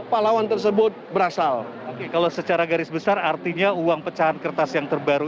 pahlawan tersebut berasal kalau secara garis besar artinya uang pecahan kertas yang terbaru